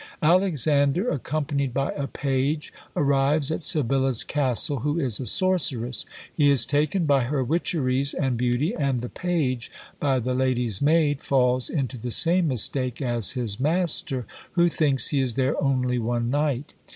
Alexander, accompanied by a page, arrives at Sebilla's castle, who is a sorceress. He is taken by her witcheries and beauty, and the page, by the lady's maid, falls into the same mistake as his master, who thinks he is there only one night.